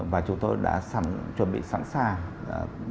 và chúng tôi đã chuẩn bị sẵn sàng